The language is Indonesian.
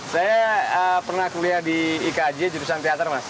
saya pernah kuliah di ikj jurusan teater mas